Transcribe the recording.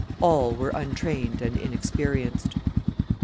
All were untrained and inexperienced.